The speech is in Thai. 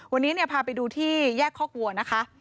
วันนี้พาไปดูที่แยกคอกวัวนะคะ